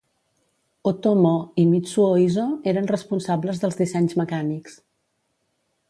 Otomo i Mitsuo Iso eren responsables dels dissenys mecànics.